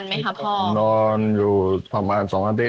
น่ะเขายังอยู่ไง